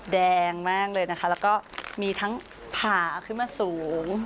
แดงมากเลยนะคะแล้วก็มีทั้งผ่าขึ้นมาสูง